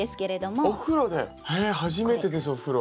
えっ初めてですお風呂。